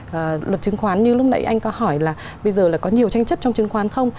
và luật chứng khoán như lúc nãy anh có hỏi là bây giờ là có nhiều tranh chấp trong chứng khoán không